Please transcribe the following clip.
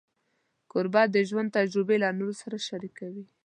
کوربه د ژوند تجربې له نورو سره شریکوي.